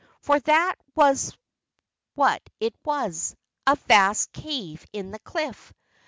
For that was what it was, a vast cave in the cliff.